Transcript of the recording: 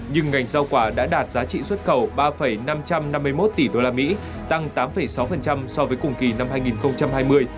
nhưng ngành rau quả đã đạt giá trị xuất khẩu ba năm trăm năm mươi một tỷ usd tăng tám sáu so với cùng kỳ năm hai nghìn hai mươi